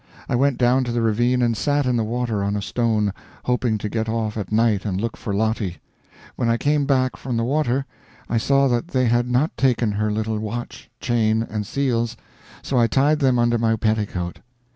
I went down to the ravine, and sat in the water on a stone, hoping to get off at night and look for Lottie. When I came back from the water, I saw that they had not taken her little watch, chain, and seals, so I tied them under my petticoat.